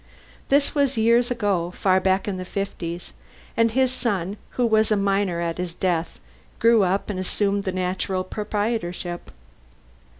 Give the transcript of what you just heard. This was years ago, far back in the fifties, and his son, who was a minor at his death, grew up and assumed his natural proprietorship.